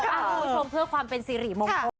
โอ้โฮชมเพื่อความเป็นซีรีย์มองโทษ